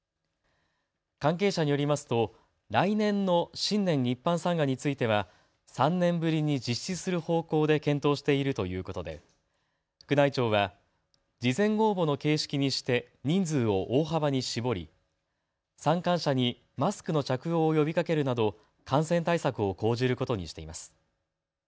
関係者によりますと来年の新年一般参賀については３年ぶりに実施する方向で検討しているということで宮内庁は事前応募の形式にして人数を大幅に絞り参観者にマスクの着用を呼びかけるなど感染対策を講じることにしています。